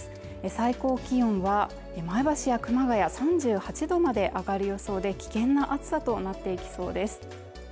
最高気温は前橋や熊谷３８度まで上がる予想で危険な暑さとなっていきそうです。